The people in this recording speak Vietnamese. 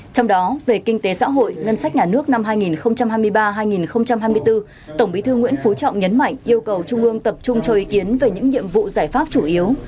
trong đó về kinh tế xã hội ngân sách nhà nước năm hai nghìn hai mươi ba hai nghìn hai mươi bốn tổng bí thư nguyễn phú trọng nhấn mạnh yêu cầu trung ương tập trung cho ý kiến về những nhiệm vụ giải pháp chủ yếu